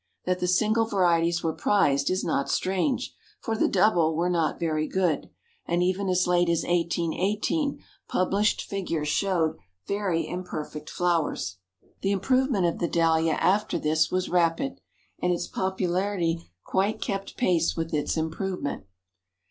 That the single varieties were prized is not strange, for the double were not very good, and even as late as 1818, published figures showed very imperfect flowers. The improvement of the Dahlia after this was rapid, and its popularity quite kept pace with its improvement.